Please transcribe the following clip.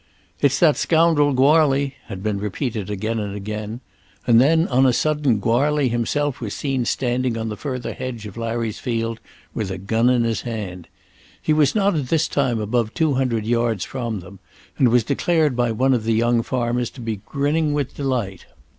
"It's that scoundrel Goarly" had been repeated again and again; and then on a sudden Goarly himself was seen standing on the further hedge of Larry's field with a gun in his hand. He was not at this time above two hundred yards from them, and was declared by one of the young farmers to be grinning with delight.